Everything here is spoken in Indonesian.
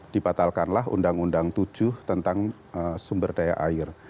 dibatalkanlah undang undang tujuh tentang sumber daya air